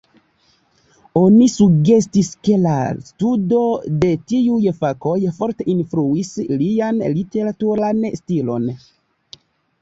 Oni sugestis ke la studo de tiuj fakoj forte influis lian literaturan stilon.